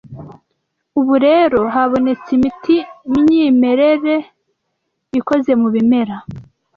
ubu rero habonetse imiti myimerere ikoze mu bimera,